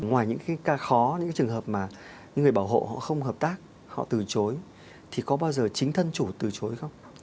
ngoài những cái ca khó những cái trường hợp mà người bảo hộ họ không hợp tác họ từ chối thì có bao giờ chính thân chủ từ chối hay không